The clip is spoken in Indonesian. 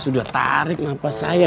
sudah tarik nafas saya